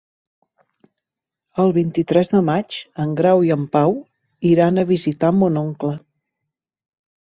El vint-i-tres de maig en Grau i en Pau iran a visitar mon oncle.